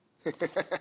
ハハハハ！